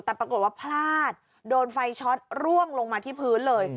แต่ปรากฏว่าพลาดโดนไฟช็อตร่วงลงมาที่พื้นเลย